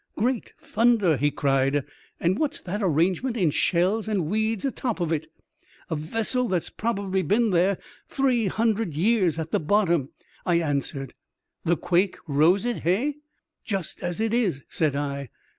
" Great thimder !" he cried. " And what's that arrangement in shells and weeds a top of it ?" "A vessel that's probably been three hundred years at the bottom," I answered. " The quake rose it, hey ?"*' Just as it is," said I.